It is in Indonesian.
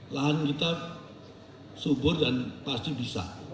lahan kita subur dan pasti bisa